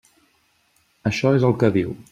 Això és el que diu.